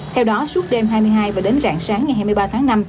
theo đó suốt đêm hai mươi hai và đến rạng sáng ngày hai mươi ba tháng năm